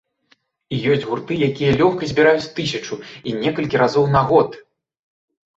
І ёсць гурты, якія лёгка збіраюць тысячу, і некалькі разоў на год.